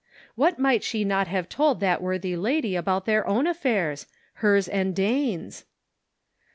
What might she not have told that worthy lady about their own affairs — hers and Dane's?